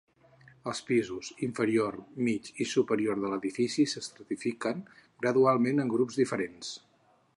Els pisos inferior, mig i superior de l'edifici s'estratifiquen gradualment en grups diferents.